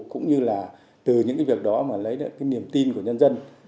cũng như là từ những cái việc đó mà lấy được cái niềm tin của nhân dân